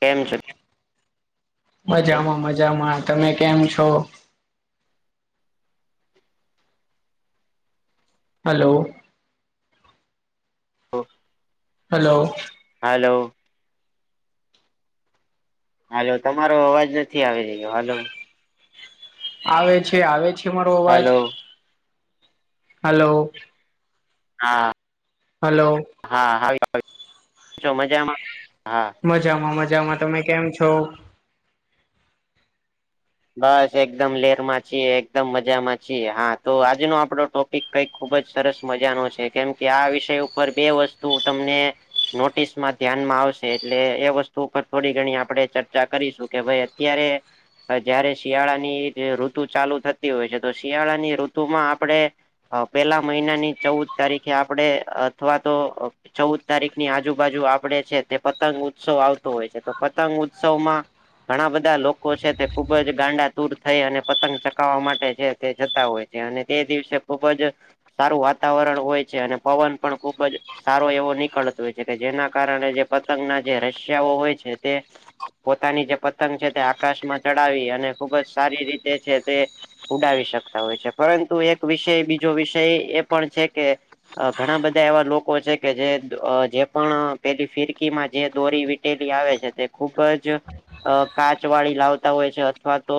કેમ છે? મજામાં મજામાં તમે કેમ છો? હલો [unintelligible] હલો હાલો હાલો તમારો અવાજ નથી આવી રહ્યો હાલો આવે છે આવે છે મારો અવાજ હાલો હલો હા હલો હા હ આવ મજામાં હા મજામાં મજામાં તમે કેમ છો બસ એકદમ લેરમાં છીએ એકદમ મજામાં છીએ હા તો આજનો આપડો ટોપિક કઈક ખુબ જ સરસ મજા નો છે કેમ કે આ વિષય ઉપર બે વસ્તુ તમને નોટિસમાં ધ્યાનમાં આવશે એટલે એ વસ્તુ ઉપર થોડી ઘણી આપણે ચર્ચા કરીશું કે ભાઈ અત્યારે જયારે શિયાળાની ઋતુ ચાલુ થતી હોય છે તો શિયાળાની ઋતુમાં આપણે પેલા મહિનાની ચૌદ તારીખે આપડે અથવા તો ચૌદ તારીખ ની આજુબાજુ આપડે છે તે પતંગ ઉત્સવ આવતો હોય છે તો પતંગ ઉત્સવમાં ઘણા બધા લોકો છે તે ખુબ જ ગાંડા તૂર થઈ અને પતંગ ચકાવવા માટે છે તે જતા હોય છે અને તે દિવસે ખુબ જ સારું વાતાવરણ હોય છે અને પવન પણ ખુબ જ સારો એવો નીકળતો હોય છે કે જેના કારણે જે પતંગના જે રશિયાઓ હોય છે તે પોતાની જે પતંગ છે તે આકાશમાં ચડાવી અને ખુબ જ સારી રીતે છે તે ઉડાવી શકતા હોય છે પરંતુ એક વિષય બીજો વિષય એ પણ છે કે ઘણા બધા એવા લોકો છે કે જે જે પણ પેલી ફિરકીમાં જે દોરી લી આવે છે તે ખૂબ જ કાચ વાળી લાવતા હોય છે અથવા તો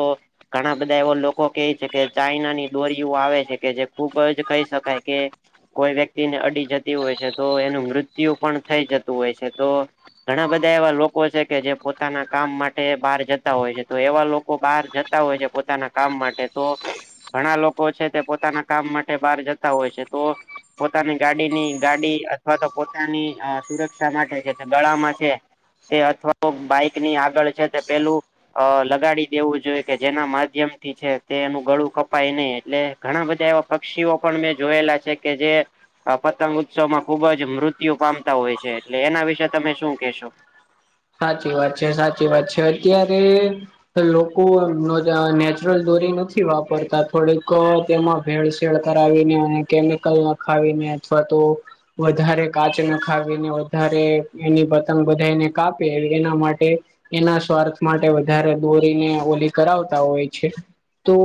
ઘણા બધા એવા લોકો કે છે કે ચાઈનાની દોરીઓ આવે છે કે જે ખુબ જ કહી શકાય કે કોઈ વ્યક્તિને અડી જતી હોય છે તો એનું મૃત્યુ પણ થઈ જતું હોય છે તો ઘણા બધા એવા લોકો છે કે જે પોતાના કામ માટે બહાર જતા હોય છે તો એવા લોકો બહાર જતા હોય છે પોતાના કામ માટે તો ઘણા લોકો છે તે પોતાના કામ માટે બહાર જતા હોય છે તો પોતાની ગાડીની ગાડી અથવા તો પોતાની સુરક્ષા માટે છે ગળામાં છે એ અથવા તો બાઈક ની આગળ છે તે પેલું અ લગાડી દેવું જોઈએ કે જેના માધ્યમ થી છે તે એનું ગળું કપાય નહી એટલે ઘણા બધા એવા પક્ષીઓ પણ મેં જોયેલા છે કે જે આ પતંગ ઉત્સવમાં ખુબ જ મૃત્યુ પામતા હોય છે એટલે એના વિશે તમે શું કેહેશો? સાચી વાત છે સાચી વાત છે અત્યારે લોકો નેચરલ દોરી નથી વાપરતા થોડીક તેમાં ભેળસેળ કરાવીને કેમિકલ નખાવીને અથવા તો વધારે કાચ નખાવીને વધારે એની પતંગ બધાયને કાપે એના માટે એના સ્વાર્થ માટે વધારે દોરીને ઓલી કરાવતા હોય છે. તો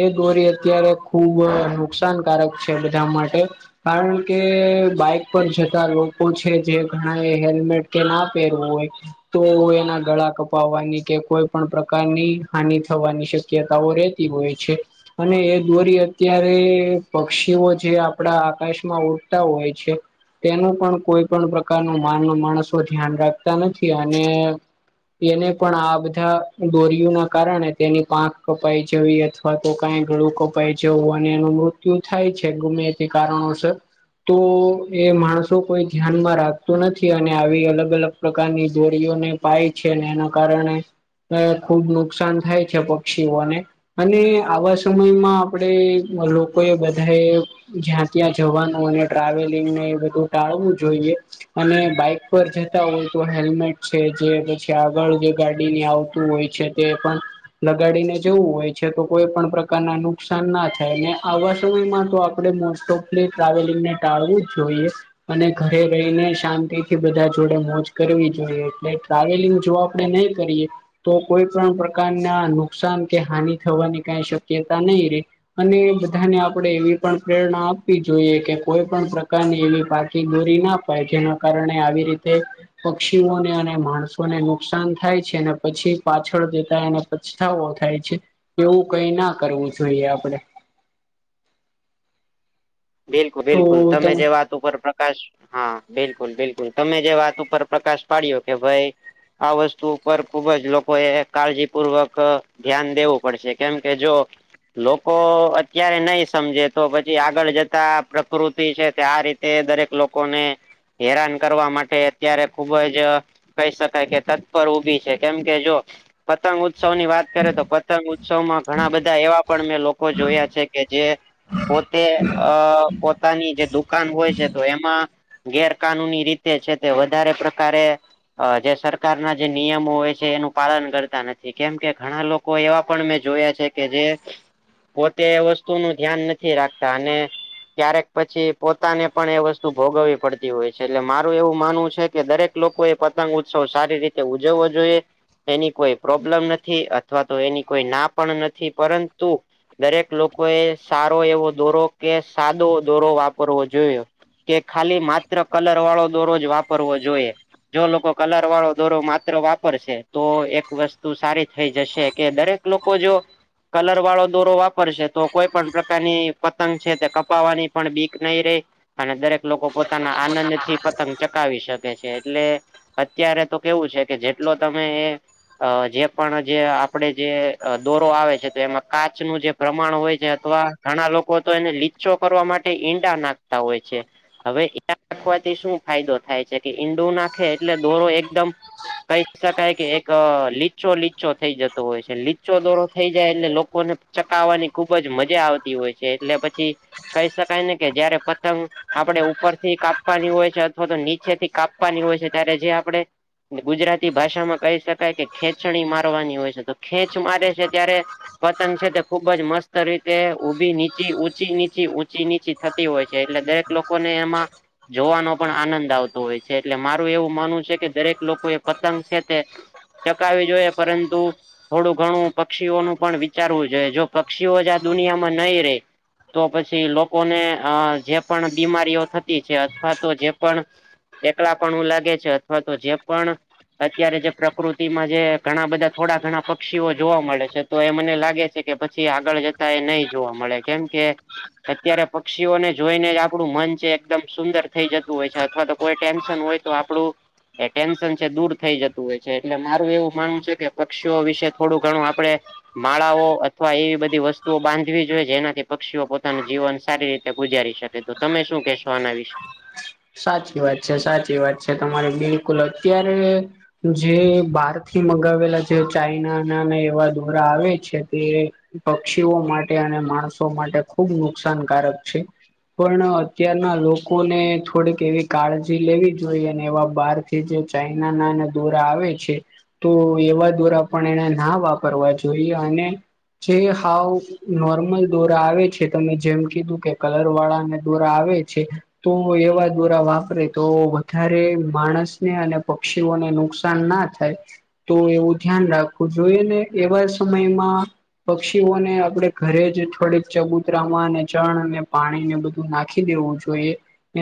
એ દોરી અત્યારે ખુબ નુકસાનકારક છે બધા માટે કારણ કે બાઈક પર જતા લોકો છે જે ઘણા એ હેલ્મેટ કે ના પે હો તો એના ગળા કપાવવાની કે કોઈ પણ પ્રકારની હાનિ થવાની શ શક્યતાઓ રેતી હોય છે. અને એ દોરી અત્યારે પક્ષીઓ જે આપડા આકાશમાં ઉડતા હોય છે. તેનું પણ કોઈ પણ પ્રકારનું માન માણસો ધ્યાન રાખતા નથી અને એને પણ આ બધા દોરયયો ના કારણે તેની પાંખ કપાઈ જવી હતી. અથવા તો કઈ ગડું કપાય જવું અને એનું મૃત્યુ થાય છે, ગમે તે તે કારણોસર તો એ માણસો કોઈ ધ્યાનમાં રાખત નથી અને આવી અલગ અલગ પ્રકારની જોડીઓને પાય છે ને, એના કારણે ખુબ નુકસાન થાય છે, પક્ષીઓને અને આવા સમયમાં આપણેે લોકો એ બધાએ જ્યાં ત્યાં જવાનુ, અને ટ્રાવેલિંગ ને એ બધું ટાળવું જોઈએ. અને બાઈક પર જતા હોય. તો હેલ્મેટ છે જે પછી આગળ જે ગાડીની આવતું હોય છે, તે પણ લગાડીને જવું હોય છે તો કોઈ પણ પ્રકારના નુકસાન ના થાય ને આવા સમયમાં તો આપણે મો ટોપલી ટ્રાવેલિંગ ને ટાળવું જ જોઈએ. અને ઘરે રહીને શાંતિ થી બધા જોડે મોજ કરવી જોઈએ એટલે ટ્રાવેલિંગ જો આપણે નહી કરીએ તો કોઈ પણ પ્રકારના નુકસાન કે હાનિ થવાની કઈ શક્યતા નહી રે અને બધાને આપણે એવી પણ પ્રેરણા આપવી જોઈએ કે કોઈ પણ પ્રકારની એવી પાકી દોરી ના જેના કારણે આવી રીતે પક્ષીઓને અને માણસોને નુકસાન થાય છે અને પછી પાછળ જેતા એને પછતાાવો થાય છે, એવુ કઈ ના કરવું જોઈએ આપડે બિલકુલ તો બિલકુલ ત તમે જે વાત ઉપર પ્રકાશ હા બિલકુલ બિલકુલ તમે જે વાત ઉપર પ્રકાશ પાડ્યો કે ભાઈ આ વસ્તુ ઉપર ખુબ જ લોકોએ કાળજીપૂર્વક ધ્યાન દેવું પડશે કેમકે જો લોકો અત્યારે નહી સમજે તો પછી આગળ જ પ્રકૃતિ છે, તે આ રીતે દરેક લોકોને હેરાન કરવા માટે અત્યારે ખુબ જ કહી શકાય કે તત્પર ઉઊભી છે કેમ કે જો પતંગ ઉત્સવ ની વાત કરે તો પતંગ ઉત્સવમાં ઘણા બધા એવા પણ મેં લોકો જોયા છે, કે જે પોતે અ પોતાની જે દુકાન હોય છે તો એમા ગેરકાનૂની રીતે છે, તે વધારે પ્રકારે અ જે સરકારના જે નિયમો હોય છે, એનું પાલન કરતા નથી કેમ કે ઘણા લોકો લોકો એવા પણ મેં જોયા છે કે જે પોતે વસ્તુ નું ધ્યાન નથી રાખતા અને ક્યારેક પછી પોતાને પણ એ વસ્તુ ભોગવવી પડતી હોય છે, એટલે મારુ એવું માનવું છે કે દરેક લોકો એ પતંગ ઉત્સવ સારી રીતે ઉજવવો જોઈએ એની કોઈ પ્રોબ્લેમ નથી, અથવા તો એની કોઈ ના પણ નથી પરંતુ દરેક લોકો એ સારો એવો દોરો કે સાદો દોરો વાપરવો જોઈયો. કે ખાલી માત્ર કલર વાળો દોરોજ વાપરવો જોઈએ. જો લોકો કલર વાળો દોરો માત્ર વાપરશે તો એક વસ્તુ સારી થઈ જશે કે દરેક લોકો જો કલર વાળો દોરો વાપરશે તો કોઈ પણ પ્રકારની પતંગ છે તે કપાવાની પણ બીક નહી રહી અને દરેક લોકો પોતાના આનંદ થી પતંગ ચકાવી શકે છે, એટલે અત્યારે તો કેવું છે, કે જેટલો તમે એ અ જે પણ જે આપડે જે દોરો આવે છે, તો એમાં કાચ નું જે પ્રમાણ હોય છે અથવા ઘણા લોકો તો એને લીચો કરવા માટે ઈંડા નાખતા હોય છે. હવે નાખવાથી શું ફાયદો થાય છે, કે ઈંડુ નાખે એટલે દોરો એકદમ કહી શકાય કે એક લીચો લીચો થઈ જતો હોય છે, લીચો દોરો થઈ જાય એટલે લોકોને ચકાાવવાની ખુબ જ મજા આવતી હોય છે એટલે પછી કહી શકાય ને કે જયારે પતંગ આપણે ઉપરથી કાપવાની હોય છે અથવા તો નીચે થી કાપવાની હોય છે ત્યારે જે આપણે ગુજરાતી ભાષામાં કહી શકાય કે ખેંચણી મારવાની હોય છે તો ખેંચ મારે છે ત્યારે પતંગ છે તે ખુબ જ મસ્ત રીતે ઉઊભી ની ચી ચી નીચી ઊંચી નીચી થતી હોય છે એટલે દરેક લોકો ને એમાં જોવાનો પણ આનંદ આવતો હોય છે એટલે મારું એવું માનવું છે કે દરેક લોકો એ પતંગ છે તે ચકાવી જોઈએ પરંતુ થોડું ઘણું પક્ષીઓનું પણ વિચારવું જોઈએ જો પક્ષીઓ જ આ દુનિયામાં નહી રે તો પછી લોકોને અ જે પણ બીમારીઓ થતી છે અથવા તો જે પણ એકલા પણું લાગે છે અથવા તો જે પણ અત્યારે જે પ્રકૃતિમાં જે ઘણા બધા થોડા ઘણા પક્ષીઓ જોવા મળે છે. તો એ મને લાગે છે કે પછી આગળ જતા એ નહી જોવા મળે કેમ કે અત્યારે પક્ષીઓને જોઈને જ આપણું મન છે એકદમ સુંદર થઈ જતું હોય છે અથવા તો કોઈ ટેન્શન હોય. તો આપણું એ ટેન્શન છે દૂર થઈ જતું હોય છે એટલે મારું એવું માનવું છે કે પક્ષીઓ વિશે થોડું ઘણું આપડણે માળાઓ અથવા એવી બધી વસ્તુઓ બાંધવી જોઈએ જેનાથી પક્ષીઓ પોતાનું જીવન સારી રીતે ગુજારી શકે તો તમે શું કેહેશો આના વિશે સાચી વાત છે સાચી વાત છે તમારે બિલકુલ અત્યારે જે બહાર થી મગાવેલા જે ચાઈના નાને એવા દોરા આવે છે તે પક્ષીઓ માટે અને માણસો માટે ખુબ નુકસાનકારક છે. પણ અત્યારના લોકોને થોડીક એવી કાળજી લેવી જોઈએ અને એવા બહાર થી જે ચાઈના ના એના દોરા આવે છે. તો એવા દ્વારા પણ એને ના વાપરવા જોઈએ અને જે હાવ નોર્મલ દોરા આવે છે તમે જેમ કીધું કે કલર વાળાને દોરા આવે છે. તો એવા દોરા વાપરે તો વધારે માણસને અને પક્ષીઓને નુકસાન ના થાય. તો એવું ધ્યાન રાખવું જોઈએ ને એવા સમયમાં પક્ષીઓને આપણેે ઘરે જ થોડીક ચબૂતરામાં અને ચણ અને પાણી ને બધું નાખી દેવું જોઈએ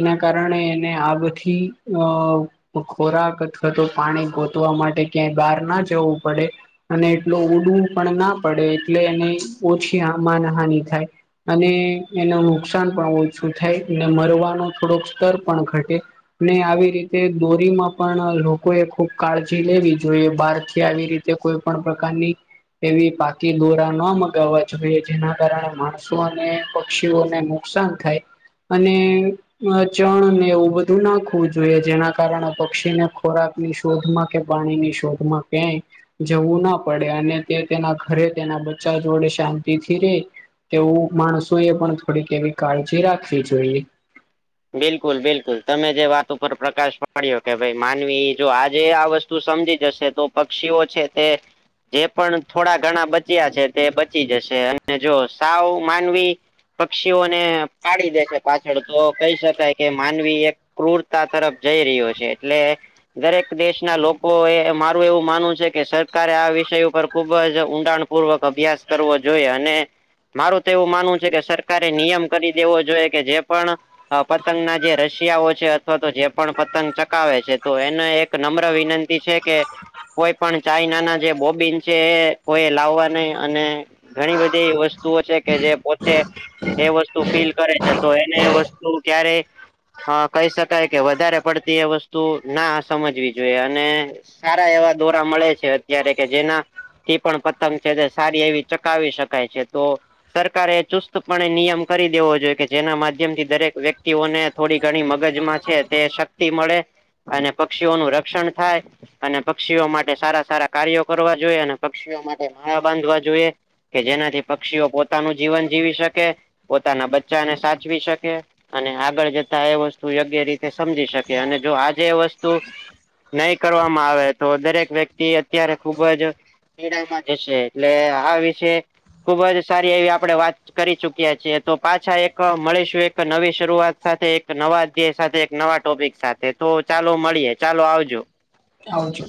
એના કારણે એને આ બી અ ખોરાક અથવા તો પાણી ગોતવા માટે ક્યાંય બહાર ના જવું પડે અને એટલો ઉડવું પણ ના પડે એટલે એને ઓછી માનહાનિ થાય. અને એનું નુકસાન પણ ઓછું થાય મરવાનો થોડોક સ્તર પણ ઘટે ને આવી રીતે દોરીમાં પણ લોકોએ ખુબ કાળજી લેવી જોઈએ બહાર થી આવી રીતે કોઈ પણ પ્રકારની એવી પાકી દોરા ન મગાવવા જોઈએ જેના કારણે માણસો અને પક્ષીઓને નુકસાન થાય અને ચણ ને એવું બધું નાખવું જોઈએ જેના કારણે પક્ષીને ખોરાક ની શોધમાં કે પાણીની શોધ તમામાં ક જવું ના પડે અને તે તેના ઘરે તેના બચ્ચા જોડે શાંતિથી રે તેવું માણસો એ પણ થોડીક એવી કાળજી રાખવી જોઈએ. બિલકુલ બિલકુલ તમે જે વાત ઉપર પ્રકાશ પાડ્યો કે ભાઈ માનવી જો આજે આ વસ્તુ તું સમજી જશે તો પક્ષીઓ છે તે જે પણ થોડા ઘણા બચ્યા છે તે બચી જશે અને જો સાવ માનવી પક્ષીઓને પાડી દે છે પાછળ તો કહી શકાય કે માનવી એક ક્રુૂરતા તરફ જઈ રહ્યો છે એટલે દરેક દેશના લોકો એ મારું એવું માનવું છે કે સરકારે આ વિષય ઉપર ખુબ જ ઊંડાણ પૂર્વક અભ્યાસ કરવો જોઈએ અને મારું તો એવું માનવું છે કે સરકારે નિયમ કરી દેવો જોઈએ કે જે પણ પતંગના જે રશિયાઓ છે અથવા તો જે પણ પતંગ ચકાવે છે તો એને એક નમ્ર વિનંતી છે કે કોઈ પણ ચાઈના ના જે બોબીન છે એ કોઈ લાવવા નહી અને ઘણી બધી એ વસ્તુઓ છે કે જે પોતે એ વસ્તુ ફીલ કરે છે તો એને વસ્ તુ ક્યારેય હ કહી શકાય કે વધારે પડતી એ વસ્તુ ના સમજવી જોઈએ અને સારા એવા દોરા મળે છે અત્યારે કે જેના થી પણ પતંગ છે તે સારી એવી ચકાવી શકાય છે તો સરકારે ચુસ્તપણે નિયમ કરી દેવો જોઈએ કે જેના માધ્યમ થી દરેક વ્યક્તિઓને થોડી ઘણી મગજમાં છે તે શક્તિ મળે અને પક્ષીઓ નું રક્ષણ થાય અને પક્ષીઓ માટે સારા સારા કાર્યો કરવા જોઈએ અને પક્ષીઓ માટે માળા બાંધવા જોઈએ કે જેનાથી પક્ષીઓ પોતાનું જીવન જીવી શકે પોતાના બચ્ચાને સાચવી શકે અને આગળ જતા એ વસ્તુ યોગ્ય રીતે સમજી શકે અને જો આજે એ વસ્તુ નહી કરવામાં આવે તો દરેક વ્યક્તિ અત્યારે ખુબ જ કેડામાં જશે એટલે આ વિશે ખુબ જ સારી એવી આપડે વાત કરી ચુકીયા છીએ તો પાછા એક મળીશું એક એક નવી શરૂઆત સાથે એક નવા અધ્યાય સાથે એક નવા ટોપિક સાથે તો ચાલો મળીએ ચાલો આવજો આવજો.